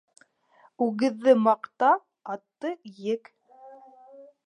Үгеҙҙе маҡта, атты ек.